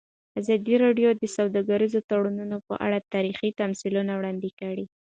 ازادي راډیو د سوداګریز تړونونه په اړه تاریخي تمثیلونه وړاندې کړي.